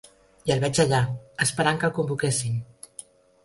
I el veig allà, esperant que el convoquessin.